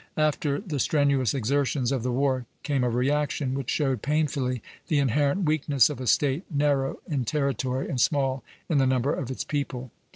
After the strenuous exertions of the war came a reaction, which showed painfully the inherent weakness of a State narrow in territory and small in the number of its people.